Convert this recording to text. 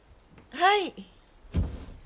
はい。